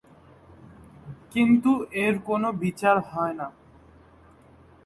কিন্তু এর কোনো বিচার হয়না।